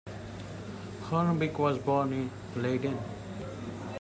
Hoornbeek was born in Leiden.